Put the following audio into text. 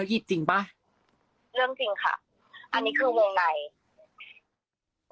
อันนี้คือวงไหน